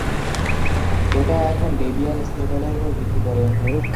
এটা এখন ডেবিয়ান স্টেবলের উপর ভিত্তি করে.